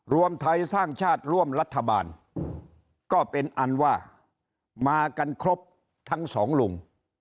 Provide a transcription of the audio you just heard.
รวมไทยสร้างชาติร่วมรัฐบาลก็เป็นอันว่ามากันครบทั้งสองลุง